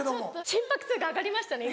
心拍数が上がりましたね